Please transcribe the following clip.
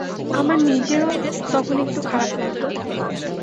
আমার নিজেরও তখন একটু খারাপ লাগল।